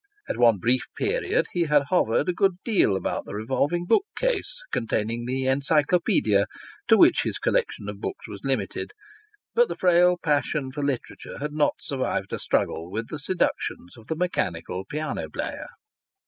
At one brief period he had hovered a good deal about the revolving bookcase containing the Encyclopaedia (to which his collection of books was limited), but the frail passion for literature had not survived a struggle with the seductions of the mechanical piano player.